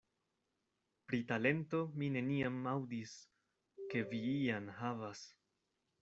Pri talento mi neniam aŭdis, ke vi ian havas...